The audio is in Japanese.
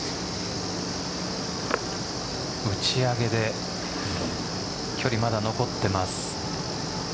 打ち上げで距離まだ残っています。